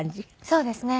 そうですね。